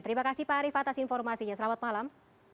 terima kasih pak arief atas informasinya selamat malam